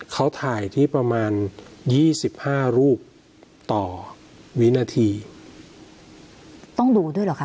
เขาถ่ายที่ประมาณ๒๕รูปต่อวินาทีต้องดูด้วยเหรอคะ